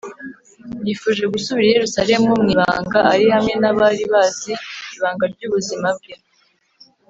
. Yifuje gusubira i Yerusalemu mu ibanga, ari hamwe n’abari bazi ibanga ry’ubuzima Bwe.